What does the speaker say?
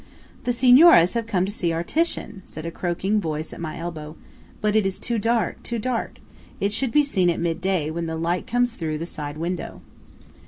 "The Signoras have come to see our Titian," said a croaking voice at my elbow; "but it is too dark–too dark! It should be seen at midday, when the light comes in through the side window."